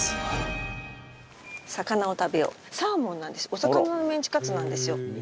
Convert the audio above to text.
お魚のメンチカツなんですよ。